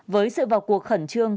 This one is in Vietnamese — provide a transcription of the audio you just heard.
với sự vào cuộc khẩn trương